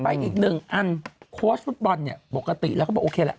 อีกหนึ่งอันโค้ชฟุตบอลเนี่ยปกติแล้วก็บอกโอเคแหละ